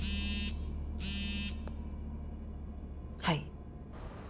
はい。